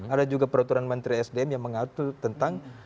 ada juga peraturan menteri sdm yang mengatur tentang